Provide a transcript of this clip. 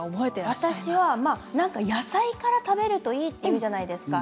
私は、野菜から食べるといいというじゃないですか。